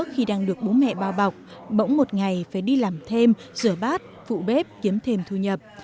khi đang được bố mẹ bao bọc bỗng một ngày phải đi làm thêm rửa bát phụ bếp kiếm thêm thu nhập